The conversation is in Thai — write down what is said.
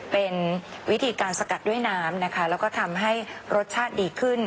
เป็นวิธีการสกัดด้วยน้ำนะคะแล้วก็ทำให้รสชาติดีขึ้น